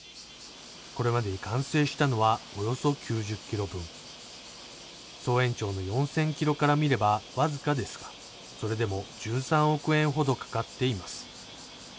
これまでに完成したのはおよそ９０ｋｍ分総延長の４０００ｋｍから見れば僅かですかそれでも１３億円ほどかかっています